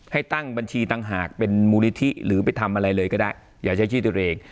ให้ตั้งบัญชีต่างหากเป็นมูลนิธิหรือไปทำอะไรเลยก็ได้อย่าใช้ชื่อตัวเอง